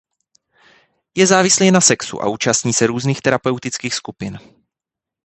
Je závislý na sexu a účastní se různých terapeutických skupin.